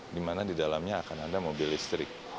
di mana di dalamnya akan ada mobil listrik